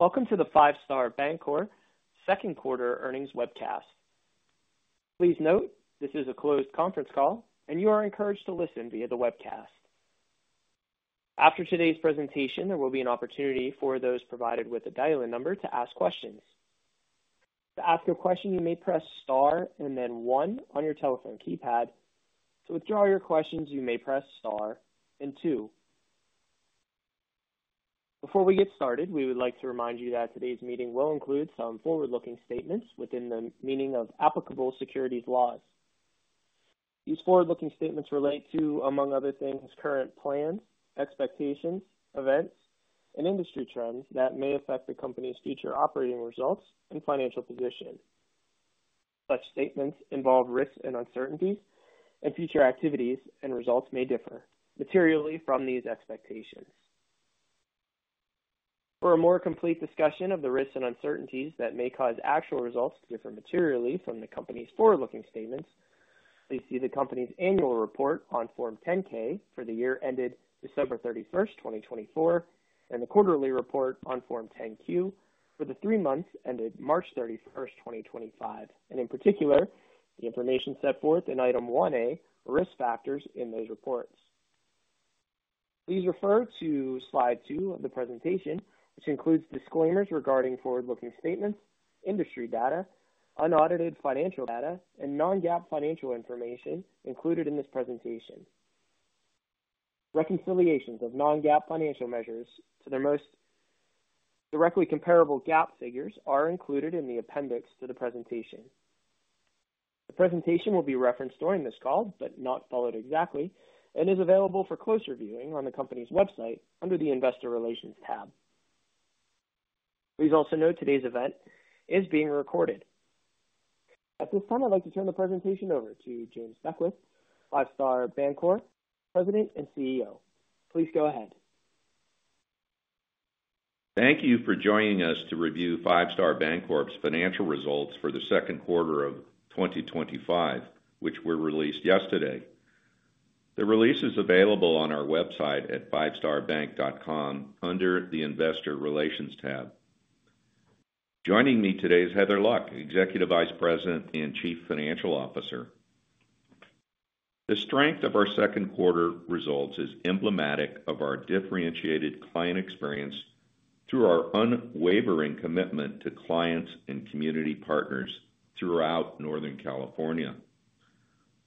Welcome to the Five Star Bancorp second quarter earnings webcast. Please note this is a closed conference call, and you are encouraged to listen via the webcast. After today's presentation, there will be an opportunity for those provided with a dial-in number to ask questions. To ask your question, you may press star and then one on your telephone keypad. To withdraw your questions, you may press star and two. Before we get started, we would like to remind you that today's meeting will include some forward-looking statements within the meaning of applicable securities laws. These forward-looking statements relate to, among other things, current plans, expectations, events, and industry trends that may affect the company's future operating results and financial position. Such statements involve risks and uncertainties, and future activities and results may differ materially from these expectations. For a more complete discussion of the risks and uncertainties that may cause actual results to differ materially from the company's forward-looking statements, please see the company's annual report on Form 10-K for the year ended December 31st, 2024, and the quarterly report on Form 10-Q for the three months ended March 31st, 2025, and in particular, the information set forth in Item 1A, risk factors in those reports. Please refer to slide two of the presentation, which includes disclaimers regarding forward-looking statements, industry data, unaudited financial data, and non-GAAP financial information included in this presentation. Reconciliations of non-GAAP financial measures to their most directly comparable GAAP figures are included in the appendix to the presentation. The presentation will be referenced during this call, but not followed exactly, and is available for close reviewing on the company's website under the Investor Relations tab. Please also note today's event is being recorded. At this time, I'd like to turn the presentation over to James Beckwith, Five Star Bancorp President and CEO. Please go ahead. Thank you for joining us to review Five Star Bancorp's financial results for the second quarter of 2025, which were released yesterday. The release is available on our website at fivestarbank.com under the Investor Relations tab. Joining me today is Heather Luck, Executive Vice President and Chief Financial Officer. The strength of our second quarter results is emblematic of our differentiated client experience through our unwavering commitment to clients and community partners throughout Northern California.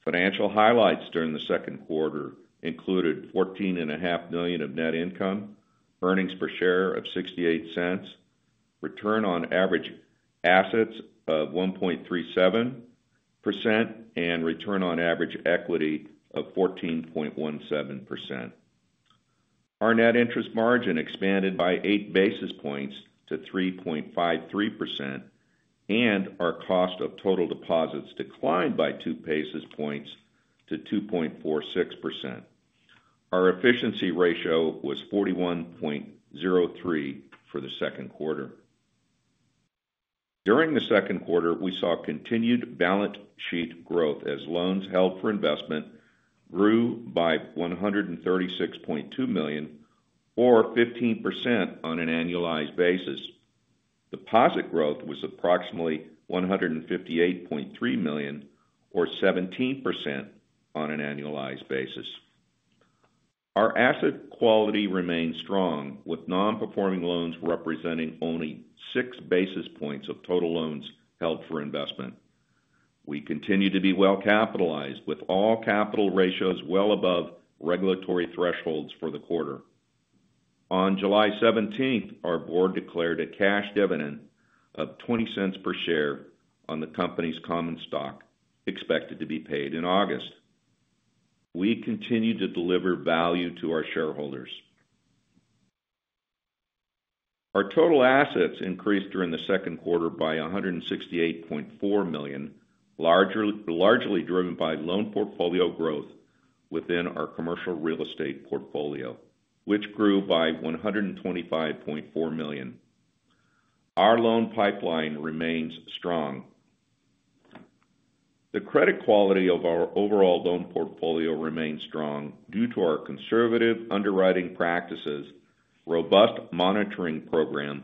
Financial highlights during the second quarter included $14.5 million of net income, earnings per share of $0.68, return on average assets of 1.37%, and return on average equity of 14.17%. Our net interest margin expanded by eight basis points to 3.53%, and our cost of total deposits declined by two basis points to 2.46%. Our efficiency ratio was 41.03% for the second quarter. During the second quarter, we saw continued balance sheet growth as loans held for investment grew by $136.2 million, or 15% on an annualized basis. Deposit growth was approximately $158.3 million, or 17% on an annualized basis. Our asset quality remained strong, with non-performing loans representing only six basis points of total loans held for investment. We continue to be well capitalized, with all capital ratios well above regulatory thresholds for the quarter. On July 17th, our board declared a cash dividend of $0.20 per share on the company's common stock, expected to be paid in August. We continue to deliver value to our shareholders. Our total assets increased during the second quarter by $168.4 million, largely driven by loan portfolio growth within our commercial real estate portfolio, which grew by $125.4 million. Our loan pipeline remains strong. The credit quality of our overall loan portfolio remains strong due to our conservative underwriting practices, robust monitoring programs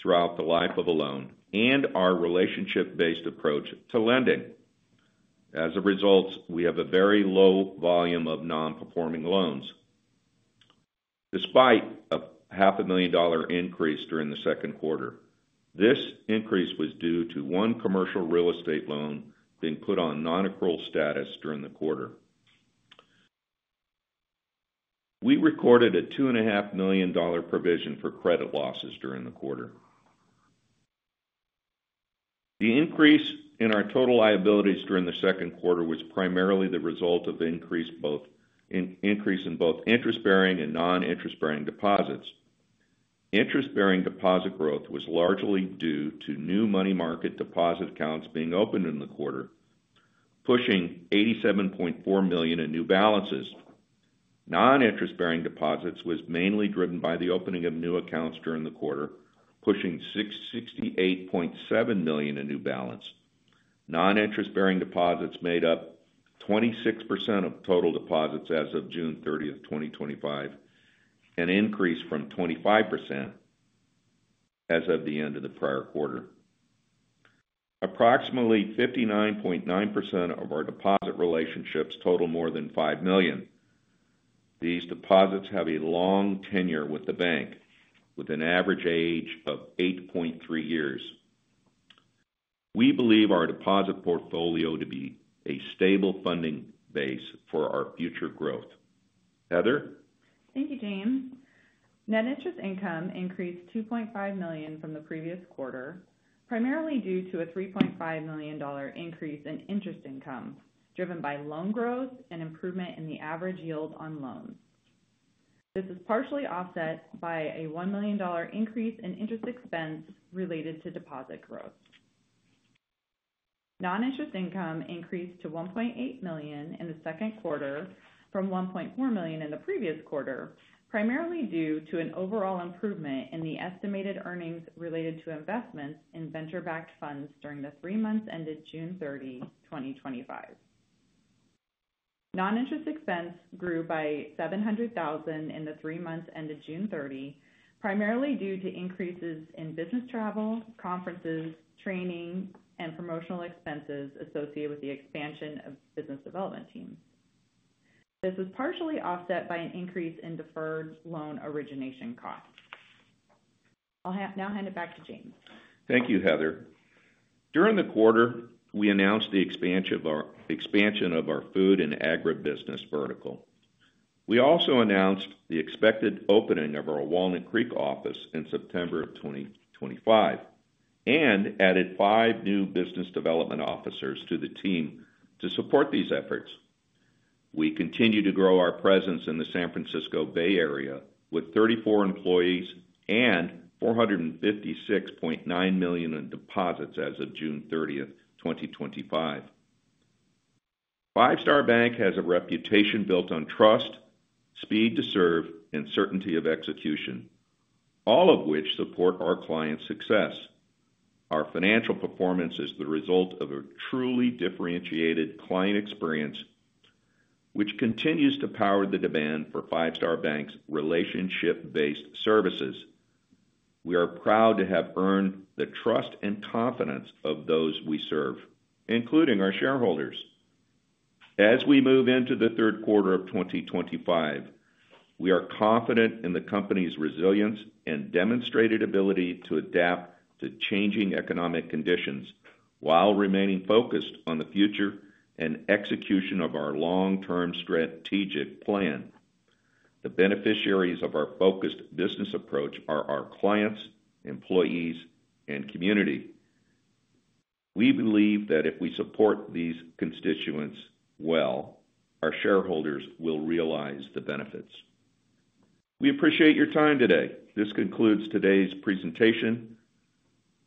throughout the life of a loan, and our relationship-based approach to lending. As a result, we have a very low volume of non-performing loans. Despite a half-a-million-dollar increase during the second quarter, this increase was due to one commercial real estate loan being put on non-accrual status during the quarter. We recorded a $2.5 million provision for credit losses during the quarter. The increase in our total liabilities during the second quarter was primarily the result of increase in both interest-bearing and non-interest-bearing deposits. Interest-bearing deposit growth was largely due to new money market deposit accounts being opened in the quarter, pushing $87.4 million in new balances. Non-interest-bearing deposits were mainly driven by the opening of new accounts during the quarter, pushing $68.7 million in new balance. Non-interest-bearing deposits made up 26% of total deposits as of June 30th, 2025, an increase from 25% as of the end of the prior quarter. Approximately 59.9% of our deposit relationships total more than $5 million. These deposits have a long tenure with the bank, with an average age of 8.3 years. We believe our deposit portfolio to be a stable funding base for our future growth. Heather? Thank you, James. Net interest income increased $2.5 million from the previous quarter, primarily due to a $3.5 million increase in interest income, driven by loan growth and improvement in the average yield on loans. This is partially offset by a $1 million increase in interest expense related to deposit growth. Non-interest income increased to $1.8 million in the second quarter from $1.4 million in the previous quarter, primarily due to an overall improvement in the estimated earnings related to investments in venture-backed funds during the three months ended June 30, 2025. Non-interest expense grew by $700,000 in the three months ended June 30, primarily due to increases in business travel, conferences, training, and promotional expenses associated with the expansion of the business development team. This is partially offset by an increase in deferred loan origination costs. I'll now hand it back to James. Thank you, Heather. During the quarter, we announced the expansion of our food and agribusiness vertical. We also announced the expected opening of our Walnut Creek office in September 2025 and added five new business development officers to the team to support these efforts. We continue to grow our presence in the San Francisco Bay Area with 34 employees and $456.9 million in deposits as of June 30, 2025. Five Star Bancorp has a reputation built on trust, speed to serve, and certainty of execution, all of which support our client's success. Our financial performance is the result of a truly differentiated client experience, which continues to power the demand for Five Star Bank relationship-based services. We are proud to have earned the trust and confidence of those we serve, including our shareholders. As we move into the third quarter of 2025, we are confident in the company's resilience and demonstrated ability to adapt to changing economic conditions while remaining focused on the future and execution of our long-term strategic plan. The beneficiaries of our focused business approach are our clients, employees, and community. We believe that if we support these constituents well, our shareholders will realize the benefits. We appreciate your time today. This concludes today's presentation.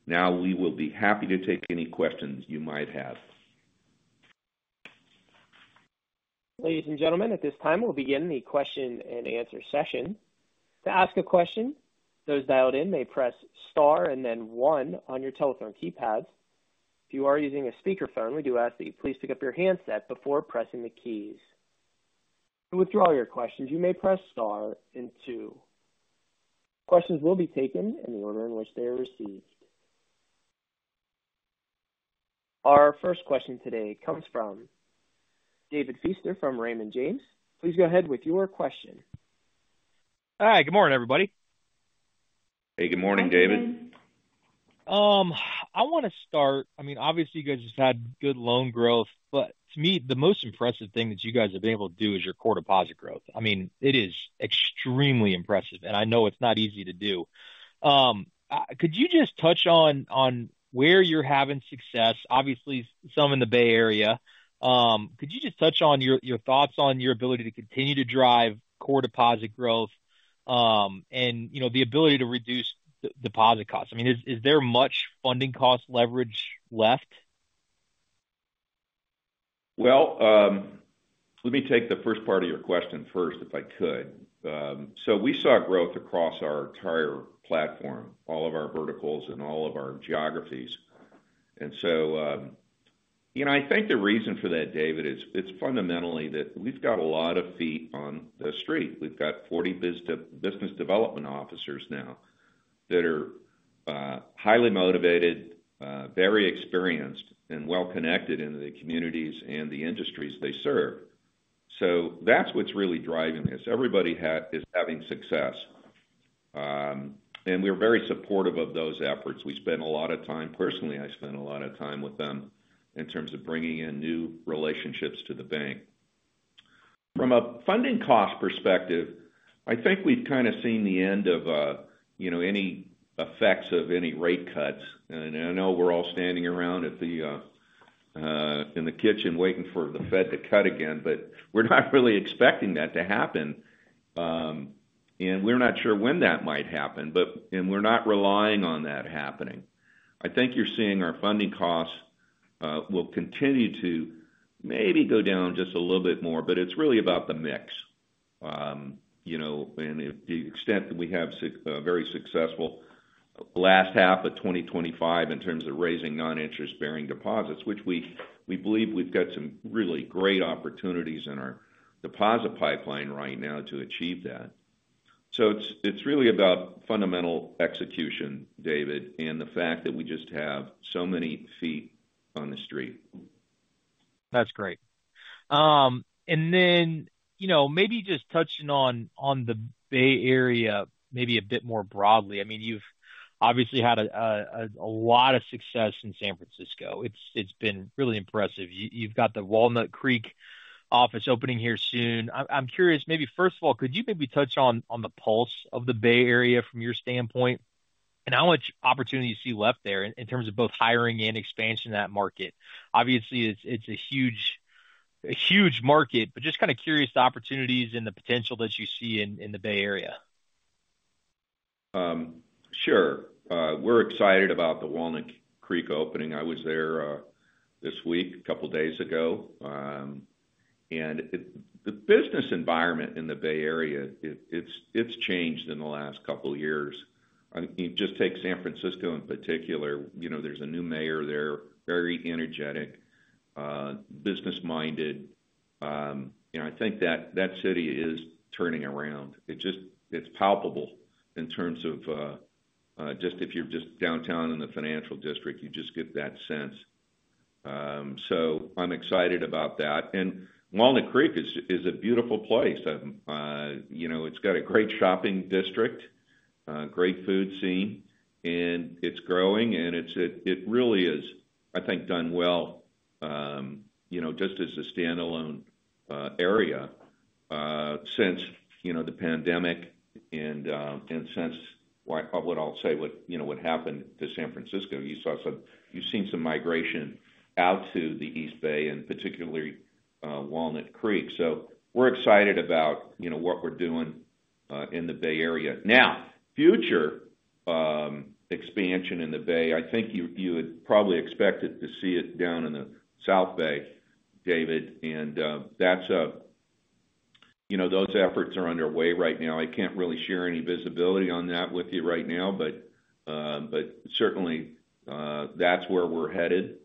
Now we will be happy to take any questions you might have. Ladies and gentlemen, at this time, we'll begin the question-and-answer session. To ask a question, those dialed in may press star and then one on your telephone keypads. If you are using a speakerphone, we do ask that you please pick up your handset before pressing the keys. To withdraw your questions, you may press star and two. Questions will be taken in the order in which they are received. Our first question today comes from David Feaster from Raymond James. Please go ahead with your question. Hi, good morning, everybody. Hey, good morning, David. I want to start, I mean, obviously, you guys have had good loan growth, but to me, the most impressive thing that you guys have been able to do is your core deposit growth. It is extremely impressive, and I know it's not easy to do. Could you just touch on where you're having success? Obviously, some in the Bay Area. Could you just touch on your thoughts on your ability to continue to drive core deposit growth and the ability to reduce deposit costs? Is there much funding cost leverage left? Let me take the first part of your question first, if I could. We saw growth across our entire platform, all of our verticals, and all of our geographies. I think the reason for that, David, is it's fundamentally that we've got a lot of feet on the street. We've got 40 business development officers now that are highly motivated, very experienced, and well-connected into the communities and the industries they serve. That's what's really driving this. Everybody is having success. We're very supportive of those efforts. We spend a lot of time, personally, I spend a lot of time with them in terms of bringing in new relationships to the bank. From a funding cost perspective, I think we've kind of seen the end of any effects of any rate cuts. I know we're all standing around in the kitchen waiting for the Fed to cut again, but we're not really expecting that to happen. We're not sure when that might happen, and we're not relying on that happening. I think you're seeing our funding costs will continue to maybe go down just a little bit more, but it's really about the mix. To the extent that we have a very successful last half of 2025 in terms of raising non-interest-bearing deposits, which we believe we've got some really great opportunities in our deposit pipeline right now to achieve that. It's really about fundamental execution, David, and the fact that we just have so many feet on the street. That's great. Maybe just touching on the Bay Area a bit more broadly, you've obviously had a lot of success in San Francisco. It's been really impressive. You've got the Walnut Creek office opening here soon. I'm curious, first of all, could you touch on the pulse of the Bay Area from your standpoint and how much opportunity you see left there in terms of both hiring and expansion in that market? Obviously, it's a huge market, just kind of curious the opportunities and the potential that you see in the Bay Area. Sure. We're excited about the Walnut Creek opening. I was there this week, a couple of days ago. The business environment in the Bay Area, it's changed in the last couple of years. I mean, you just take San Francisco in particular. There's a new mayor there, very energetic, business-minded. I think that that city is turning around. It's palpable in terms of just if you're just downtown in the financial district, you just get that sense. I'm excited about that. Walnut Creek is a beautiful place. It's got a great shopping district, a great food scene, and it's growing, and it really is, I think, done well, just as a standalone area since the pandemic and since, what I'll say, what happened to San Francisco. You saw some, you've seen some migration out to the East Bay and particularly Walnut Creek. We're excited about what we're doing in the Bay Area. Now, future expansion in the Bay, I think you would probably expect to see it down in the South Bay, David. Those efforts are underway right now. I can't really share any visibility on that with you right now, but certainly, that's where we're headed.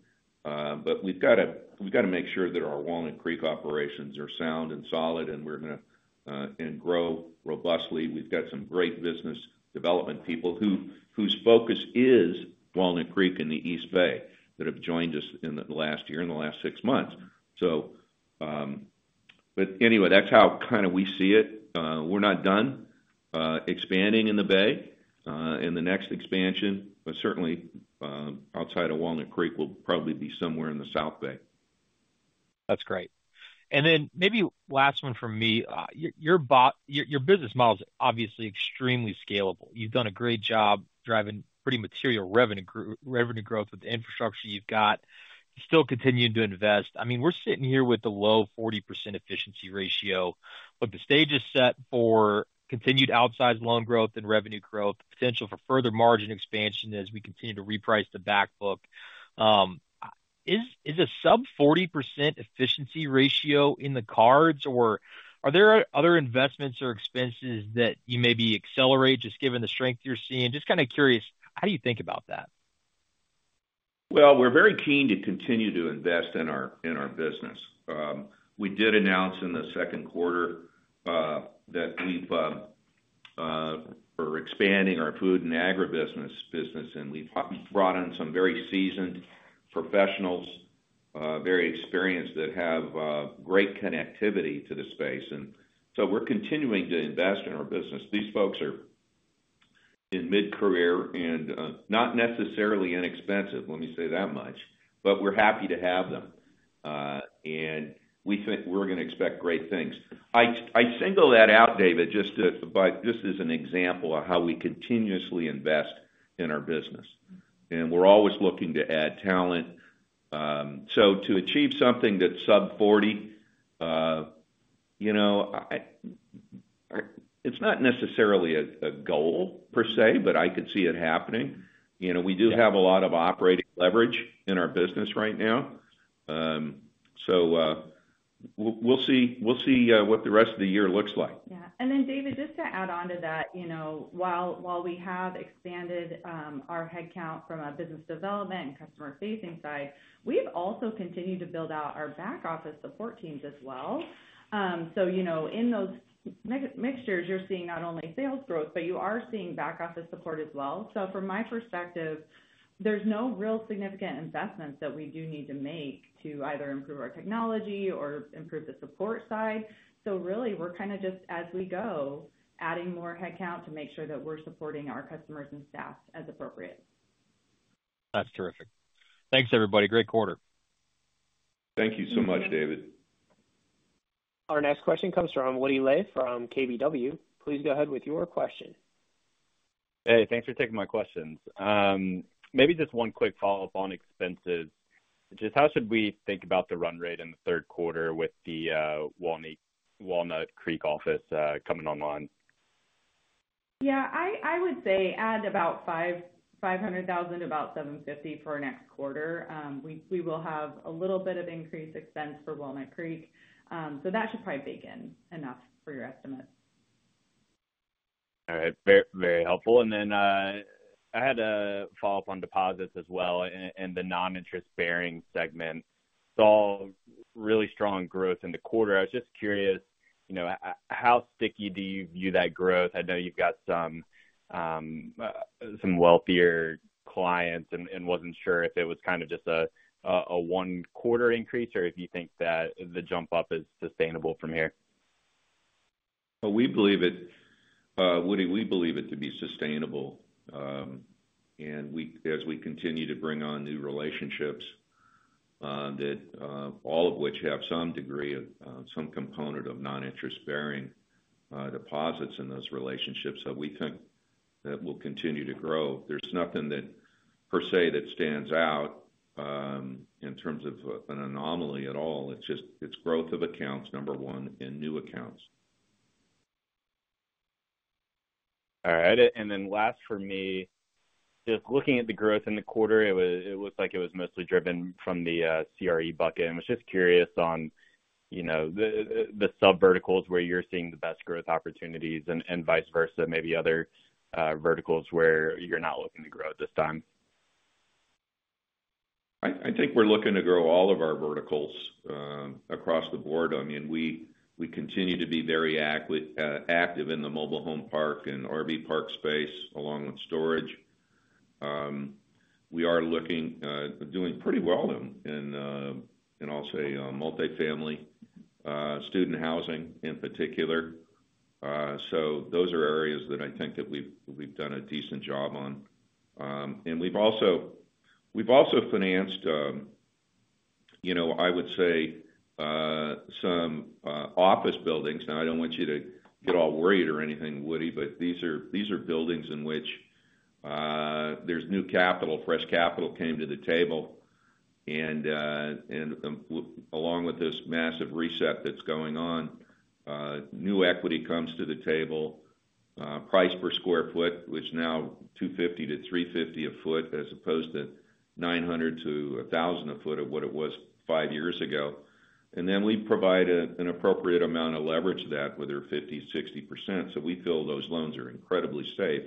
We've got to make sure that our Walnut Creek operations are sound and solid, and we're going to grow robustly. We've got some great business development people whose focus is Walnut Creek in the East Bay that have joined us in the last year, in the last six months. That's how kind of we see it. We're not done expanding in the Bay. The next expansion, certainly outside of Walnut Creek, will probably be somewhere in the South Bay. That's great. Maybe last one from me. Your business model is obviously extremely scalable. You've done a great job driving pretty material revenue growth with the infrastructure you've got. You're still continuing to invest. I mean, we're sitting here with a low 40% efficiency ratio, but the stage is set for continued outsized loan growth and revenue growth, potential for further margin expansion as we continue to reprice the backbook. Is a sub-40% efficiency ratio in the cards, or are there other investments or expenses that you maybe accelerate, just given the strength you're seeing? Just kind of curious, how do you think about that? We're very keen to continue to invest in our business. We did announce in the second quarter that we're expanding our food and agribusiness business, and we've brought in some very seasoned professionals, very experienced, that have great connectivity to the space. We're continuing to invest in our business. These folks are in mid-career and not necessarily inexpensive, let me say that much, but we're happy to have them. We think we're going to expect great things. I single that out, David, just as an example of how we continuously invest in our business. We're always looking to add talent. To achieve something that's sub-40, you know, it's not necessarily a goal per se, but I could see it happening. We do have a lot of operating leverage in our business right now. We'll see what the rest of the year looks like. Yeah. David, just to add on to that, while we have expanded our headcount from a business development and customer-facing side, we've also continued to build out our back-office support teams as well. In those mixtures, you're seeing not only sales growth, but you are seeing back-office support as well. From my perspective, there's no real significant investments that we do need to make to either improve our technology or improve the support side. We're kind of just, as we go, adding more headcount to make sure that we're supporting our customers and staff as appropriate. That's terrific. Thanks, everybody. Great quarter. Thank you so much, David. Our next question comes from Woody Lay from KBW. Please go ahead with your question. Hey, thanks for taking my questions. Maybe just one quick follow-up on expenses. How should we think about the run rate in the third quarter with the Walnut Creek office coming online? I would say add about $500,000 to about $750,000 for our next quarter. We will have a little bit of increased expense for Walnut Creek. That should probably bake in enough for your estimate. All right. Very helpful. I had a follow-up on deposits as well in the non-interest-bearing segment. Saw really strong growth in the quarter. I was just curious, you know, how sticky do you view that growth? I know you've got some wealthier clients and wasn't sure if it was kind of just a one-quarter increase or if you think that the jump up is sustainable from here. We believe it to be sustainable. As we continue to bring on new relationships, all of which have some degree of some component of non-interest-bearing deposits in those relationships, we think will continue to grow. There's nothing that per se stands out in terms of an anomaly at all. It's just growth of accounts, number one, and new accounts. All right. Last for me, just looking at the growth in the quarter, it looked like it was mostly driven from the CRE bucket. I was just curious on the sub-verticals where you're seeing the best growth opportunities and vice versa, maybe other verticals where you're not looking to grow at this time. I think we're looking to grow all of our verticals across the board. I mean, we continue to be very active in the mobile home park and RV park space along with storage. We are looking at doing pretty well in, I'll say, multifamily student housing in particular. Those are areas that I think that we've done a decent job on. We've also financed, you know, I would say, some office buildings. I don't want you to get all worried or anything, Woody, but these are buildings in which there's new capital, fresh capital came to the table. Along with this massive reset that's going on, new equity comes to the table. Price per square foot, which is now $250-$350 a foot, as opposed to $900-$1,000 a foot of what it was five years ago. We provide an appropriate amount of leverage to that, whether 50%, 60%. We feel those loans are incredibly safe.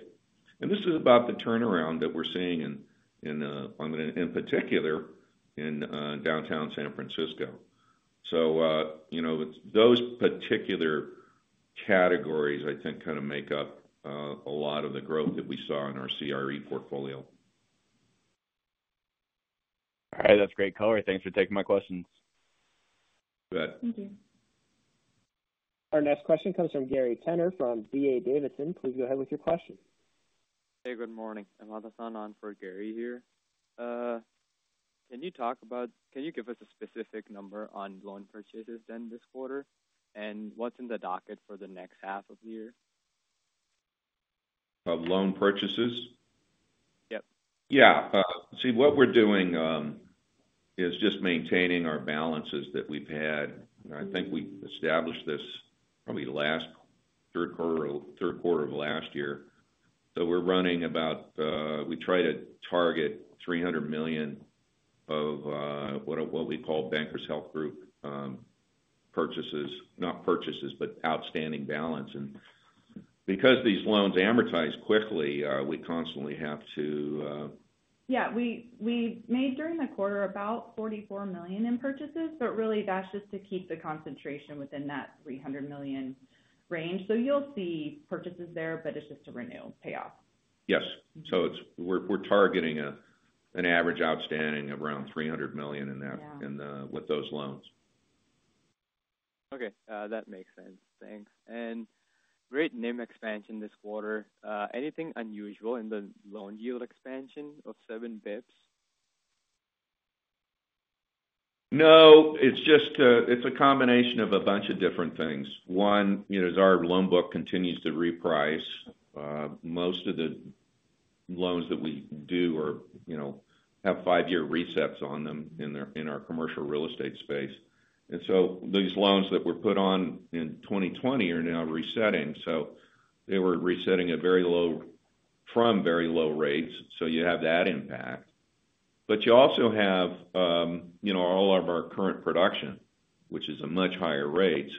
This is about the turnaround that we're seeing in, I'm going to in particular, in downtown San Francisco. Those particular categories, I think, kind of make up a lot of the growth that we saw in our commercial real estate portfolio. All right. That's great color. Thanks for taking my questions. Good. Thank you. Our next question comes from Gary Tenner from D.A. Davidson. Please go ahead with your question. Hey, good morning. I'm on the phone for Gary here. Can you talk about, can you give us a specific number on loan purchases done this quarter? What's in the docket for the next half of the year? Of loan purchases? Yep. Yeah. What we're doing is just maintaining our balances that we've had. I think we established this probably last third quarter of last year. We're running about, we try to target $300 million of what we call Bankers Health Group purchases, not purchases, but outstanding balance. Because these loans amortize quickly, we constantly have to. Yeah, we made during the quarter about $44 million in purchases, but really, that's just to keep the concentration within that $300 million range. You'll see purchases there, but it's just to renew payoff. Yes, we're targeting an average outstanding of around $300 million with those loans. Okay. That makes sense. Thanks. Great name expansion this quarter. Anything unusual in the loan yield expansion of 7 basis points? No, it's just a combination of a bunch of different things. One, as our loan book continues to reprice, most of the loans that we do have five-year resets on them in our commercial real estate space. These loans that were put on in 2020 are now resetting. They were resetting from very low rates. You have that impact. You also have all of our current production, which is a much higher rate.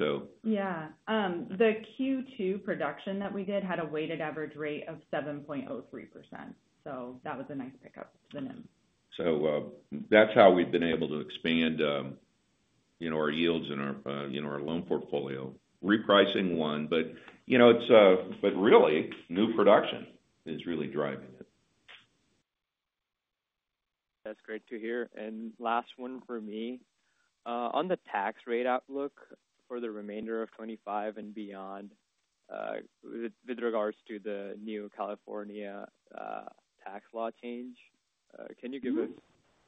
Yeah. The Q2 production that we did had a weighted average rate of 7.03%. That was a nice pickup for them. That's how we've been able to expand our yields in our loan portfolio. Repricing one, but really, new production is really driving it. That's great to hear. Last one for me. On the tax rate outlook for the remainder of 2025 and beyond, with regards to the new California tax law change, can you give us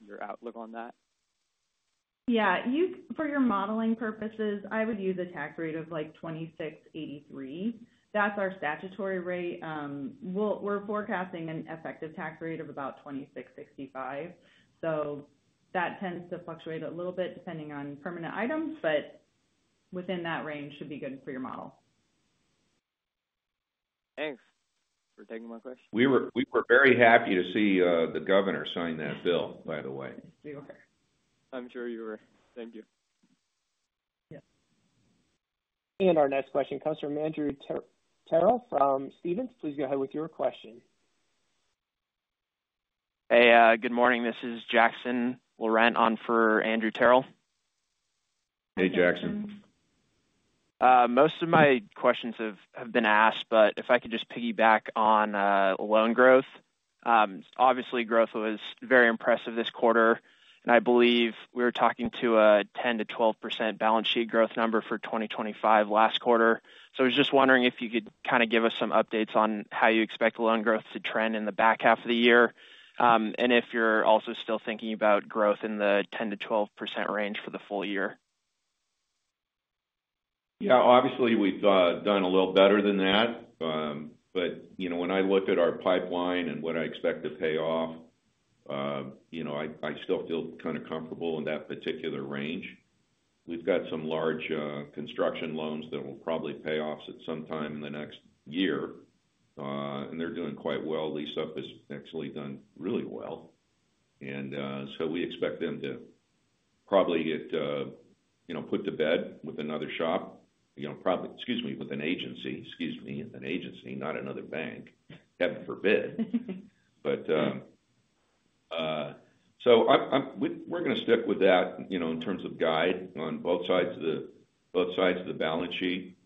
your outlook on that? Yeah. For your modeling purposes, I would use a tax rate of $26.83. That's our statutory rate. We're forecasting an effective tax rate of about $26.65. That tends to fluctuate a little bit depending on permanent items, but within that range should be good for your model. Thanks for taking my question. We were very happy to see the Governor sign that bill, by the way. We were. I'm sure you were. Thank you. Our next question comes from Andrew Terrell from Stephens. Please go ahead with your question. Hey, good morning. This is Jackson Laurent on for Andrew Terrell. Hey, Jackson. Most of my questions have been asked, but if I could just piggyback on loan growth. Obviously, growth was very impressive this quarter. I believe we were talking to a 10%-12% balance sheet growth number for 2025 last quarter. I was just wondering if you could kind of give us some updates on how you expect loan growth to trend in the back half of the year. If you're also still thinking about growth in the 10%-12% range for the full year. Yeah, obviously, we've done a little better than that. When I looked at our pipeline and what I expect to pay off, I still feel kind of comfortable in that particular range. We've got some large construction loans that will probably pay off at some time in the next year. They're doing quite well. Lease up has actually done really well. We expect them to probably get put to bed with an agency, not another bank, heaven forbid. We're going to stick with that in terms of guide on both sides of the balance sheet,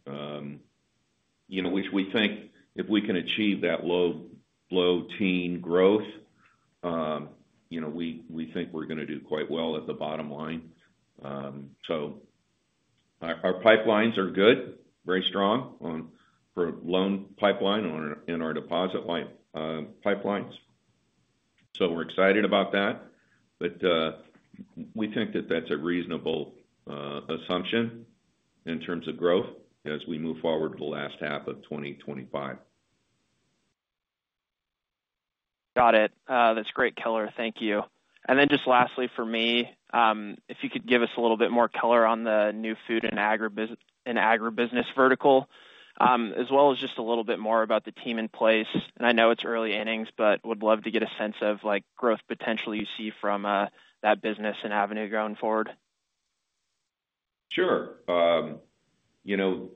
which we think if we can achieve that low low-teen growth, we think we're going to do quite well at the bottom line. Our pipelines are good, very strong for loan pipeline and our deposit pipelines. We're excited about that. We think that that's a reasonable assumption in terms of growth as we move forward to the last half of 2025. Got it. That's great, Keller. Thank you. Lastly, if you could give us a little bit more color on the new food and agribusiness vertical, as well as just a little bit more about the team in place. I know it's early innings, but would love to get a sense of growth potential you see from that business and avenue going forward. Sure. You know,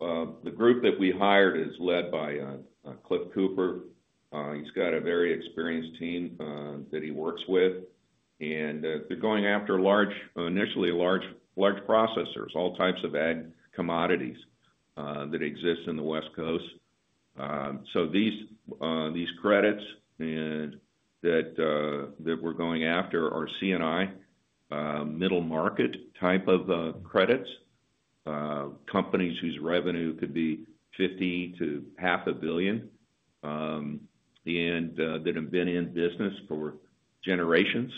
the group that we hired is led by Cliff Cooper. He's got a very experienced team that he works with. They're going after large, initially large, large processors, all types of ag commodities that exist in the West Coast. These credits that we're going after are C&I, middle market type of credits, companies whose revenue could be $50 million to $500 million and that have been in business for generations.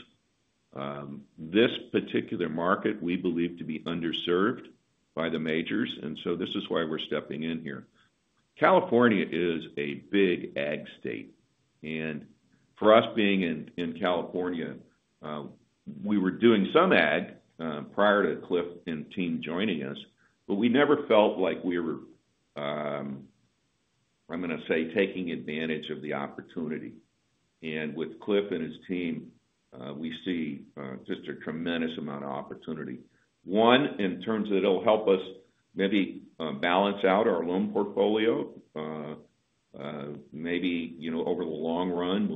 This particular market, we believe to be underserved by the majors. This is why we're stepping in here. California is a big ag state. For us being in California, we were doing some ag prior to Cliff and team joining us, but we never felt like we were, I'm going to say, taking advantage of the opportunity. With Cliff and his team, we see just a tremendous amount of opportunity. One, in terms of it'll help us maybe balance out our loan portfolio. Maybe, over the long run,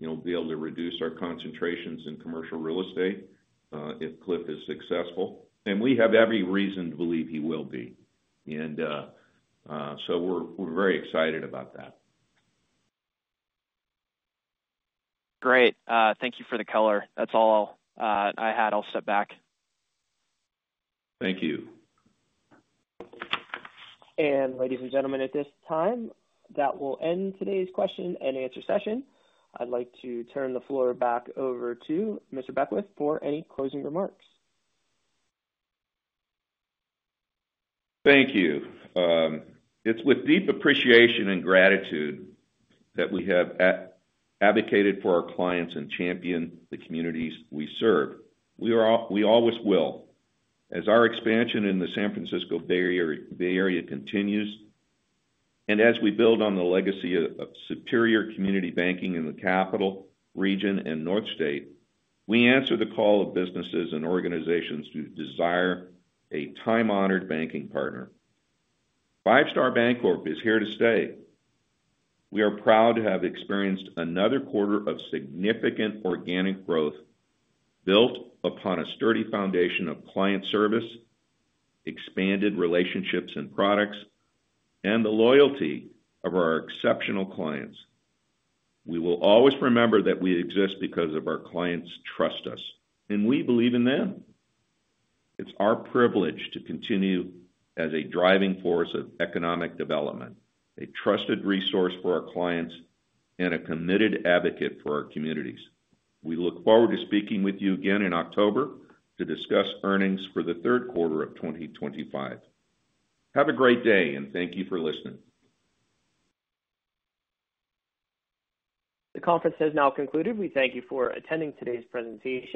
we'll be able to reduce our concentrations in commercial real estate if Cliff is successful. We have every reason to believe he will be. We're very excited about that. Great. Thank you for the color. That's all I had. I'll step back. Thank you. Ladies and gentlemen, at this time, that will end today's question-and-answer session. I'd like to turn the floor back over to Mr. Beckwith for any closing remarks. Thank you. It's with deep appreciation and gratitude that we have advocated for our clients and championed the communities we serve. We always will. As our expansion in the San Francisco Bay Area continues, and as we build on the legacy of superior community banking in the Capital region and North State, we answer the call of businesses and organizations who desire a time-honored banking partner. Five Star Bancorp is here to stay. We are proud to have experienced another quarter of significant organic growth built upon a sturdy foundation of client service, expanded relationships, and products, and the loyalty of our exceptional clients. We will always remember that we exist because of our clients' trust in us. We believe in that. It's our privilege to continue as a driving force of economic development, a trusted resource for our clients, and a committed advocate for our communities. We look forward to speaking with you again in October to discuss earnings for the third quarter of 2025. Have a great day, and thank you for listening. The conference has now concluded. We thank you for attending today's presentation.